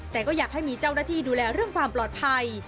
แต่ก็อยากให้มีเจ้าหน้าที่ดูแลเรื่องความปลอดภัย